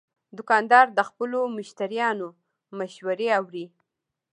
دوکاندار د خپلو مشتریانو مشورې اوري.